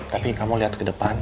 tapi kamu lihat ke depan